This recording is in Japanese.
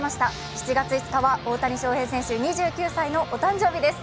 ７月５日は大谷翔平選手２９歳のお誕生日です。